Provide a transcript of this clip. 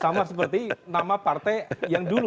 sama seperti nama partai yang dulu